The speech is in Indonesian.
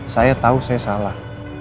saya tahu saya salah